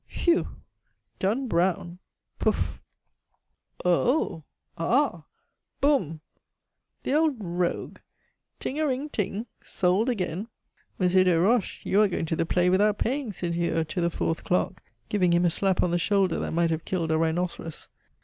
"Whew!" "Done brown!" "Poof!" "Oh!" "Ah!" "Boum!" "The old rogue!" "Ting a ring ting!" "Sold again!" "Monsieur Desroches, you are going to the play without paying," said Hure to the fourth clerk, giving him a slap on the shoulder that might have killed a rhinoceros.